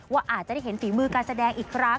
อาจจะได้เห็นฝีมือการแสดงอีกครั้ง